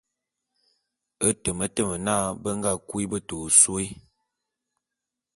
E temetem na, be nga kui beta ôsôé.